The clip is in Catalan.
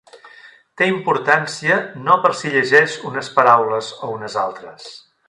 Té importància no per si llegeix unes paraules o unes altres.